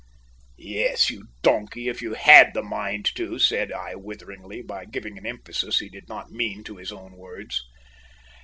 "Yes, you donkey, if you had the mind to," said I witheringly, by giving an emphasis he did not mean to his own words.